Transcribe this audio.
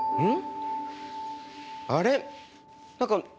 うん。